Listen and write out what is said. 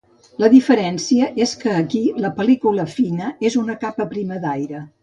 La diferència és que aquí "la pel·lícula fina" és una capa prima d'aire.